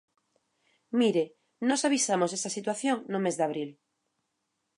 Mire, nós avisamos desta situación no mes de abril.